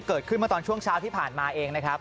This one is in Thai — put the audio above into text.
เกิดขึ้นเมื่อตอนช่วงเช้าที่ผ่านมาเองนะครับ